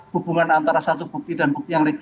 hubungan antara satu bukti dan bukti yang